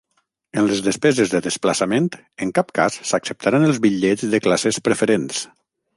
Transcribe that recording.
En les despeses de desplaçament, en cap cas s'acceptaran els bitllets de classes preferents.